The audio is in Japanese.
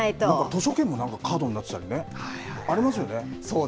図書券もカードになってたりとかね、ありますよね。